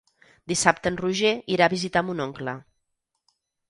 Dissabte en Roger irà a visitar mon oncle.